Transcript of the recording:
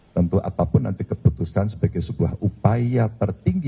tentu apapun nanti keputusan sebagai sebuah upaya tertinggi